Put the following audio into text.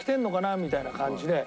みたいな感じで。